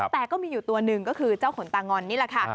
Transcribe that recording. แต่ก็มีอยู่ตัวหนึ่งก็คือเจ้าขนตางอนนี่แหละค่ะ